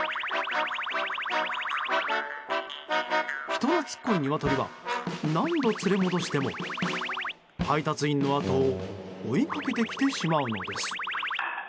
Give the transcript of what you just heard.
人懐っこいニワトリは何度連れ戻しても配達員のあとを追いかけてきてしまうのです。